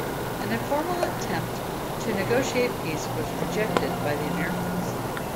An informal attempt to negotiate peace was rejected by the Americans.